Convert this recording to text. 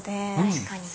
確かに。